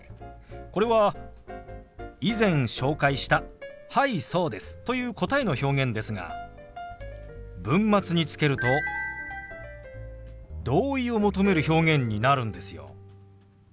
これは以前紹介した「はいそうです」という答えの表現ですが文末につけると同意を求める表現になるんですよ。